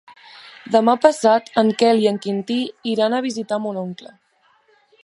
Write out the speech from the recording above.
Demà passat en Quel i en Quintí iran a visitar mon oncle.